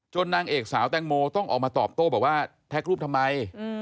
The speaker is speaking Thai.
นางเอกสาวแตงโมต้องออกมาตอบโต้บอกว่าแท็กรูปทำไม